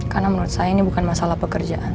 karena menurut saya ini bukan masalah pekerjaan